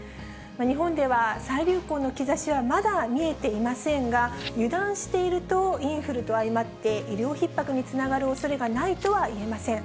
日本では再流行の兆しはまだ見えていませんが、油断していると、インフルとあいまって医療ひっ迫につながるおそれがないとはいえません。